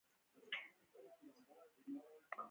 د سپوږ مۍ وړانګې را شنې شوې